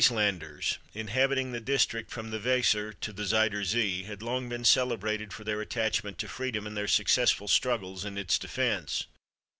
The Frieslanders, inhabiting the district from the Weser to the Zuydersee, had long been celebrated for their attachment to freedom, and their successful struggles in its defence.